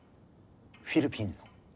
フィリピンの？